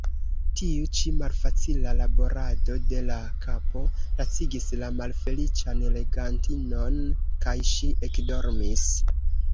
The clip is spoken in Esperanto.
Tiu ĉi malfacila laborado de la kapo lacigis la malfeliĉan legantinon, kaj ŝi ekdormis.